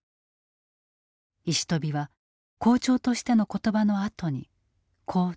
石飛は校長としての言葉のあとにこう続けた。